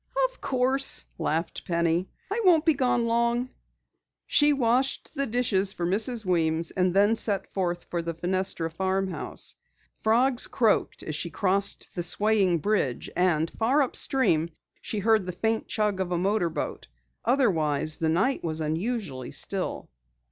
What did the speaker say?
"Of course," laughed Penny. "I won't be gone long." She washed the dishes for Mrs. Weems and then set forth for the Fenestra farmhouse. Frogs croaked as she crossed the swaying bridge, and far upstream she heard the faint chug of a motorboat. Otherwise, the night was unusually still.